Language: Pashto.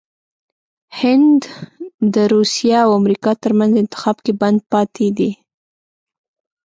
هند دروسیه او امریکا ترمنځ انتخاب کې بند پاتې دی😱